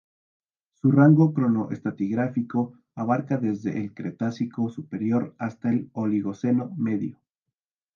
Su rango cronoestratigráfico abarca desde el Cretácico superior hasta el Oligoceno medio.